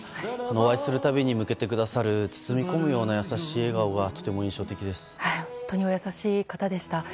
お会いするたびに向けてくださる包み込むような優しい笑顔は本当にお優しい方でした。